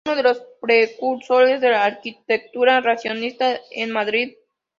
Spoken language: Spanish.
Fue uno de los precursores del arquitectura racionalista en Madrid.